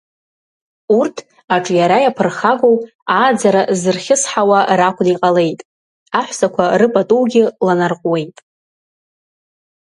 Урҭ, аҿиара иаԥырхагоу, ааӡара зырхьысҳауа ракәны иҟалеит, аҳәсақәа рыпатугьы ланарҟәуеит.